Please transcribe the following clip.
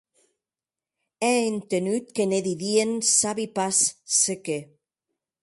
È entenut que ne didien sabi pas se qué.